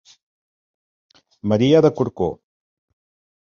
Maria de Corcó.